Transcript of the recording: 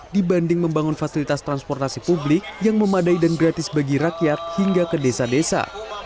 dibanding membangun fasilitas transportasi publik yang memadai dan gratis bagi rakyat hingga ke desa desa